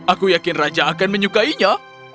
aku yakin raja akan menyukainya